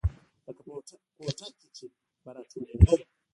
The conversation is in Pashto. لکه په کوټه کښې چې به راټولېدل.